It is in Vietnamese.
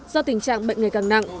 do tình trạng bệnh ngày càng nặng